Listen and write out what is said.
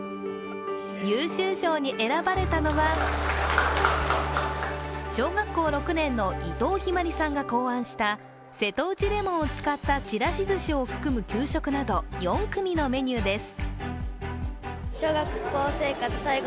優秀賞に選ばれたのは小学６年生の伊藤緋莉さんが考案したせとうちレモンを使ったちらしずしを含む給食など４組のメニューです。